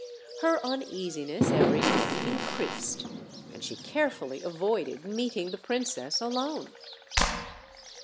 Her uneasiness every clay increased, and she carefully avoided meeting the princess alone.